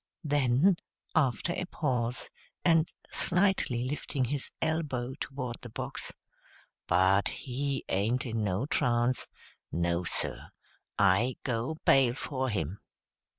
Then, after a pause, and slightly lifting his elbow toward the box, "But he ain't in no trance! No, sir, I go bail for him!"